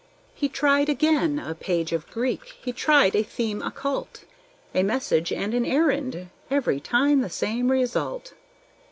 He tried again, a page of Greek; he tried a theme occult, A message and an errand, every time the same result!